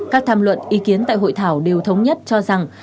các tham luận ý kiến tại hội thảo đều thống nhất cho rằng